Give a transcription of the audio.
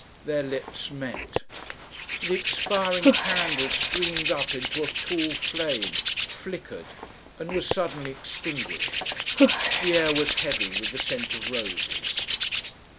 Their lips met. The expiring candle streamed up into a tall flame, flickered, and was suddenly extinguished. The air was heavy with the scent of roses.